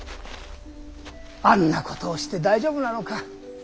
あんなことをして大丈夫なのか。